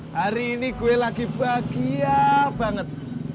hari ini gue lagi bahagia banget